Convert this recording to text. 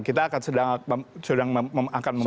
kita akan sedang akan